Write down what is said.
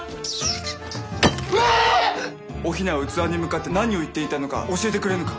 わあっ！お雛は器に向かって何を言っていたのか教えてくれぬか？